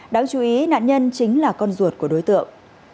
đáng chú ý nạn nhân chính là con ruột của đối tượng